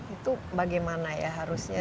itu bagaimana ya harusnya